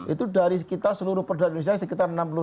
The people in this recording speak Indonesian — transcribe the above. itu dari kita seluruh produk indonesia sekitar enam puluh